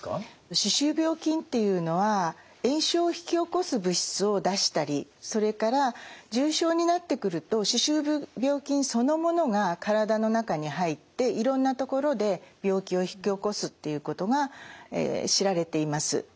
歯周病菌っていうのは炎症を引き起こす物質を出したりそれから重症になってくると歯周病菌そのものが体の中に入っていろんなところで病気を引き起こすっていうことが知られています。